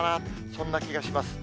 そんな気がします。